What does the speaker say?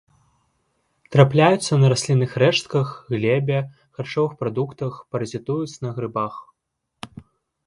Трапляюцца на раслінных рэштках, глебе, харчовых прадуктах, паразітуюць на грыбах.